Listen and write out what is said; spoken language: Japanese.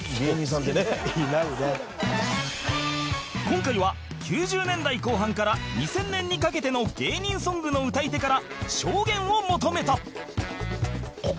今回は９０年代後半から２０００年にかけての芸人ソングの歌い手から証言を求めた